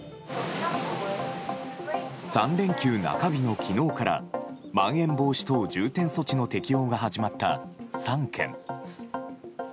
３連休中日の昨日からまん延防止等重点措置の適用が始まった３県。